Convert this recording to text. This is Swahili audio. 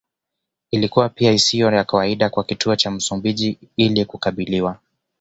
Ilikuwa pia isiyo ya kawaida kwa Kituo cha Msumbiji ili kukabiliwa